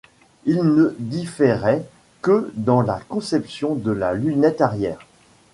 Ils ne diffèraient que dans la conception de la lunette arrière.